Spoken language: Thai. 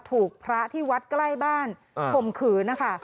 ถูกพระที่วัดใกล้บ้านข่มขืนนะคะ